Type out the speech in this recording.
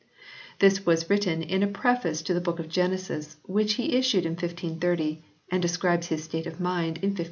This was written in a preface to the book of Genesis which he issued in 1530 and describes his state of mind in 1524.